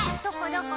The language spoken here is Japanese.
どこ？